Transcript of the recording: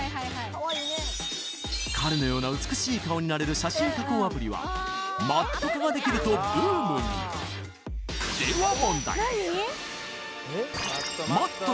彼のような美しい顔になれる写真加工アプリはＭａｔｔ化ができるとブームにハッハハハハ